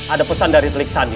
ada pesan dari teli sadi